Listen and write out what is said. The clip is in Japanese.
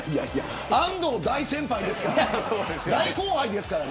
安藤大先輩ですから。